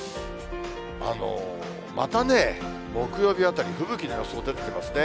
またね、木曜日あたり、吹雪の予想、出てきますね。